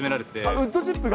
ウッドチップが？